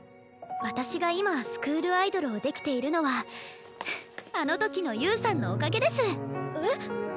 私が今スクールアイドルをできているのはあの時の侑さんのおかげです。え？